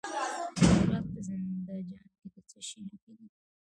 د هرات په زنده جان کې د څه شي نښې دي؟